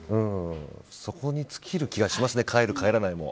そこに尽きる気がしますね帰る、帰らないも。